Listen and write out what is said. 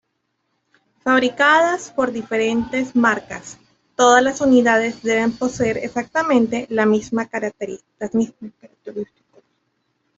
Fabricadas por diferentes marcas, todas las unidades deben poseer exactamente las mismas características.